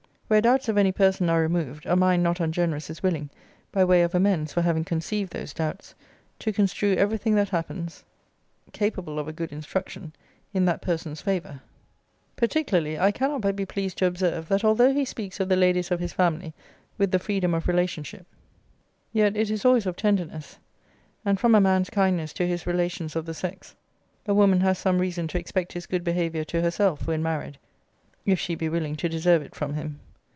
Where doubts of any person are removed, a mind not ungenerous is willing, by way of amends for having conceived those doubts, to construe every thing that happens, capable of a good instruction, in that person's favour. Particularly, I cannot but be pleased to observe, that although he speaks of the ladies of his family with the freedom of relationship, yet it is always of tenderness. And from a man's kindness to his relations of the sex, a woman has some reason to expect his good behaviour to herself, when married, if she be willing to deserve it from him.